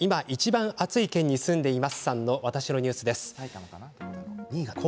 今いちばん暑い県に住んでいますさんの「わたしのニュース」です。